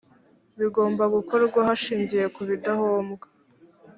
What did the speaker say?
bigomba gukorwa hashingiwe ku bidahombya